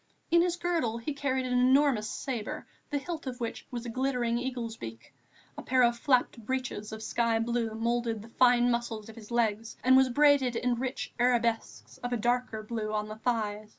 In his girdle he carried an enormous sabre, the hilt of which was a glittering eagle's beak. A pair of flapped breeches of sky blue moulded the fine muscles of his legs and was braided in rich arabesques of a darker blue on the thighs.